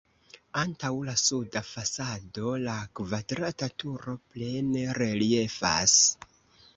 Antaŭ la suda fasado la kvadrata turo plene reliefas.